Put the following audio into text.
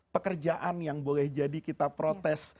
pekerjaan yang boleh jadi kita protes